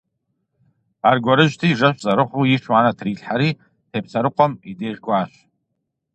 Аргуэрыжьти, жэщ зэрыхъуу иш уанэ трилъхьэри Тепсэрыкъуэм и деж кӀуащ.